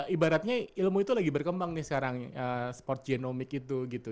ibaratnya ilmu itu lagi berkembang nih sekarang sport genomic itu gitu